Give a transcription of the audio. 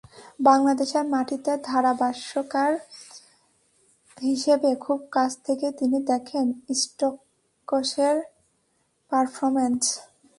বাংলাদেশের মাটিতে ধারাভাষ্যকার হিসেবে খুব কাছ থেকেই তিনি দেখেন স্টোকসের পারফরম্যান্স।